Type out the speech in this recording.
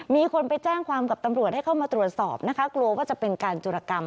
มีคนไปแจ้งความกับตำรวจให้เข้ามาตรวจสอบนะคะกลัวว่าจะเป็นการจุรกรรม